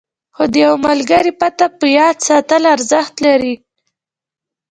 خو د یوه ملګري پته په یاد ساتل ارزښت لري.